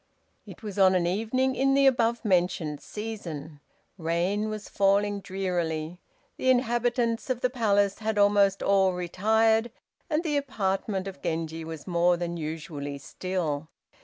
It was on an evening in the above mentioned season. Rain was falling drearily. The inhabitants of the Palace had almost all retired, and the apartment of Genji was more than usually still.